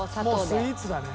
もうスイーツだね。